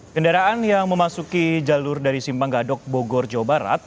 kendaraan yang memasuki jalur dari simpang gadok bogor jawa barat